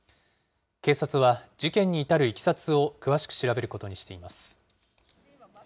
警察は事件に至るいきさつを詳しく調べることにしています。